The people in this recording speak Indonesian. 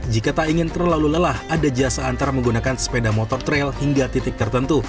jika tak ingin terlalu lelah ada jasa antar menggunakan sepeda motor trail hingga titik tertentu